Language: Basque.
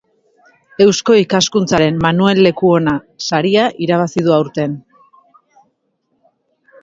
Eusko Ikaskuntzaren Manuel Lekuona saria irabazi du aurten.